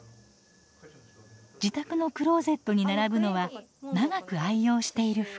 自宅のクローゼットに並ぶのは長く愛用している服。